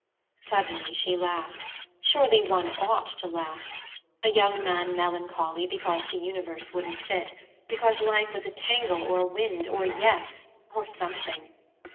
Suddenly she laughed; surely one ought to laugh. A young man melancholy because the universe wouldn't fit, because life was a tangle or a wind, or a Yes, or something!